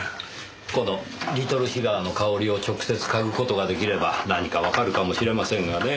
このリトルシガーの香りを直接嗅ぐ事が出来れば何かわかるかもしれませんがねぇ。